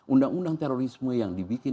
undang undang terorisme yang dibikin